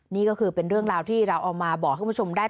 นี่ก็คือเป็นเรื่องราวที่เราเอามาบอกให้คุณผู้ชมได้